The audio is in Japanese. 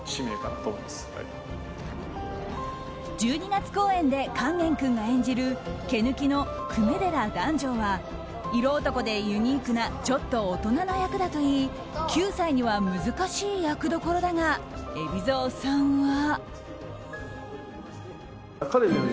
１２月公演で勸玄君が演じる「毛抜」の粂寺弾正は色男でユニークなちょっと大人の役だといい９歳には難しい役どころだが海老蔵さんは。